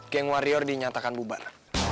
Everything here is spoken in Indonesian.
geng warrior dinyatakan bubar